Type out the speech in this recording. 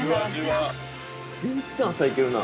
◆全然、朝行けるな。